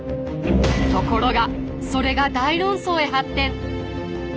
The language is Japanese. ところがそれが大論争へ発展。